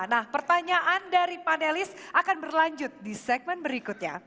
nah pertanyaan dari panelis akan berlanjut di segmen berikutnya